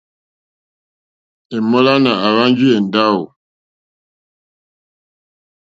Èmólánà àhwánjì èndáwò.